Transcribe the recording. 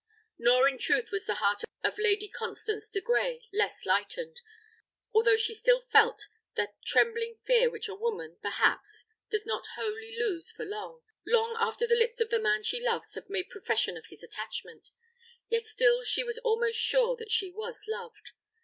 Nor in truth was the heart of Lady Constancy de Grey less lightened, although she still felt that trembling fear which a woman, perhaps, does not wholly lose for long, long after the lips of the man she loves have made profession of his attachment; yet still she was almost sure that she was loved.